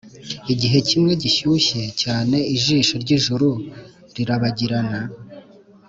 igihe kimwe gishyushye cyane ijisho ryijuru rirabagirana,